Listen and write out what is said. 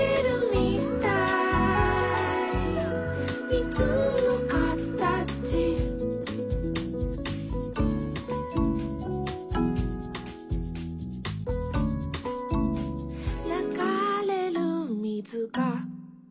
「みずのかたち」「ながれるみずが」